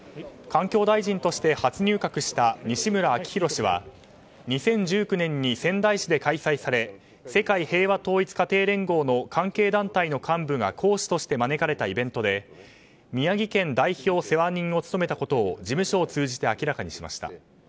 環境大臣として初入閣した西村明宏氏は２０１９年に仙台市で開催され世界平和統一家庭連合の関係団体の幹部が講師として招かれたイベントで宮城県代表世話人を務めたことを事務所を通じて明らかにしました。